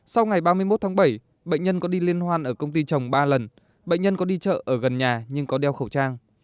sau ngày ba mươi một tháng bảy bệnh nhân có đi liên hoan ở công ty chồng ba lần bệnh nhân có đi chợ ở gần nhà nhưng có đeo khẩu trang